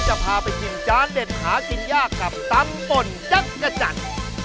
จะพาไปกินจานเด็ดหากินยากกับตำป่นจักรจันทร์